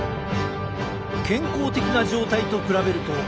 健康的な状態と比べると全然違う！